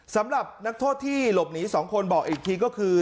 สำหรับนักโทษที่หลบหนี๒คนบอกอีกทีก็คือ